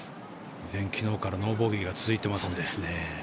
依然、昨日からノーボギーが続いていますので。